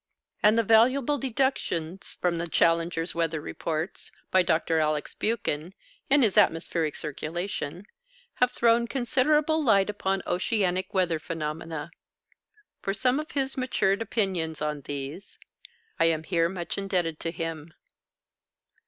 And the valuable deductions from the Challenger's Weather Reports by Dr. Alex. Buchan, in his "Atmospheric Circulation," have thrown considerable light upon oceanic weather phenomena. For some of his matured opinions on these, I am here much indebted to him.